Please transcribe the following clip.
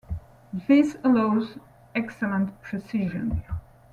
This allows excellent precision.